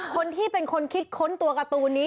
คนที่เป็นคนคิดค้นตัวการ์ตูนนี้